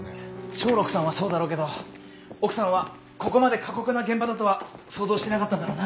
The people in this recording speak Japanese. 松緑さんはそうだろうけど奥さんはここまで過酷な現場だとは想像してなかったんだろうな。